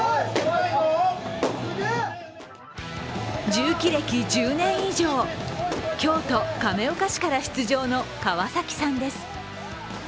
重機歴１０年以上、京都・亀岡市から出場の川崎さんです。